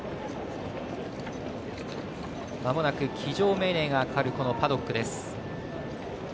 まもなく騎乗命令がかかるパドックです。